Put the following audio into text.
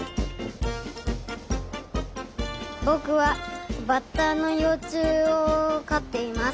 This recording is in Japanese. ぼくはバッタのようちゅうをかっています。